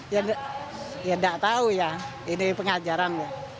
ya tidak tahu ya ini pengajaran